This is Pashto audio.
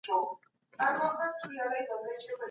دا یو ځانګړی او خوندور خواړه دی.